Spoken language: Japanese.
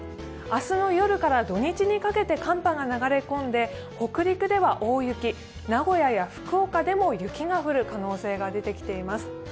明日の夜から土日にかけて寒波が流れ込んで北陸では大雪、名古屋や福岡でも雪が降る可能性が出てきています。